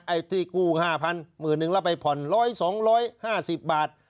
ไอ้ที่กู้๕๐๐๐หมื่นหนึ่งแล้วไปผ่อนร้อยสองร้อยห้าสิบบาท